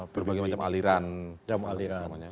berbagai macam aliran